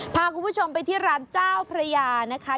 พาคุณผู้ชมไปที่ร้านเจ้าพระยานะคะ